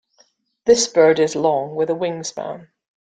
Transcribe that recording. This bird is long with a wingspan.